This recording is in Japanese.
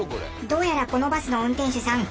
どうやらこのバスの運転手さん